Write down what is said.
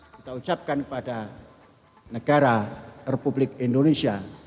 kita ucapkan kepada negara republik indonesia